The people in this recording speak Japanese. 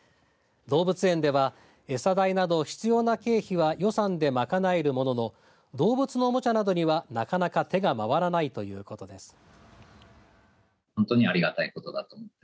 動物園ではエサ代など必要な経費は予算で賄えるものの動物のおもちゃなどにはなかなか手が回らないということです。